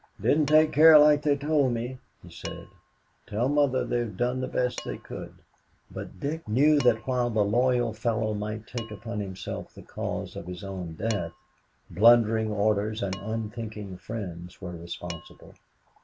"Didn't take care like they told me," he said. "Tell Mother they've done the best they could." But Dick knew that while the loyal fellow might take upon himself the cause of his own death, blundering orders and unthinking friends were responsible.